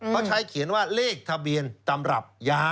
เขาใช้เขียนว่าเลขทะเบียนตำรับยา